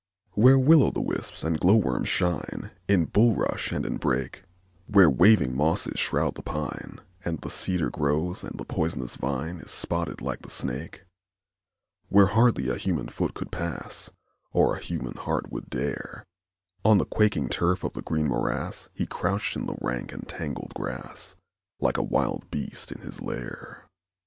Where will o' the wisps and glowworms shine, In bulrush and in brake; Where waving mosses shroud the pine, And the cedar grows, and the poisonous vine Is spotted like the snake; Where hardly a human foot could pass, Or a human heart would dare, On the quaking turf of the green morass He crouched in the rank and tangled grass, Like a wild beast in his lair.